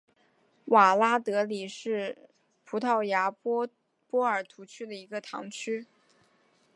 瓦拉达里什是葡萄牙波尔图区的一个堂区。